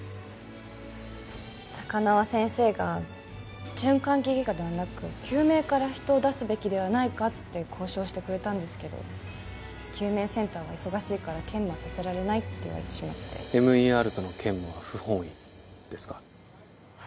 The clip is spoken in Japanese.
高輪先生が循環器外科ではなく救命から人を出すべきではないかって交渉してくれたんですけど救命センターは忙しいから兼務はさせられないって言われてしまってＭＥＲとの兼務は不本意ですか？